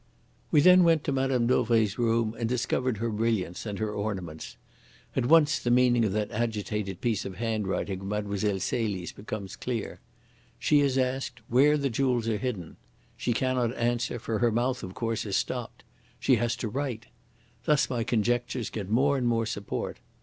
"We then went to Mme. Dauvray's room and discovered her brilliants and her ornaments. At once the meaning of that agitated piece of hand writing of Mlle. Celie's becomes clear. She is asked where the jewels are hidden. She cannot answer, for her mouth, of course, is stopped. She has to write. Thus my conjectures get more and more support.